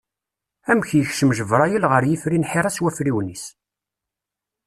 Amek yekcem Ǧebrayel ɣer yifri n Ḥira s wafriwen-is?